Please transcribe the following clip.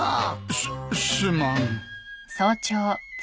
すすまん。